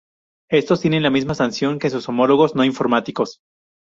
Estos tienen la misma sanción que sus homólogos no informáticos.